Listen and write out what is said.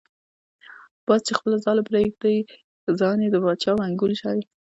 باز چی خپله ځاله پریږدی ځای یی دباچا منګول شی .